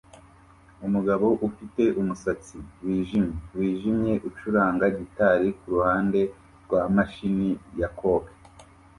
Umugabo ufite umusatsi wijimye wijimye ucuranga gitari kuruhande rwa mashini ya Coke